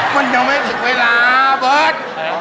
มันยังไม่ถึงเวลาเบิร์ต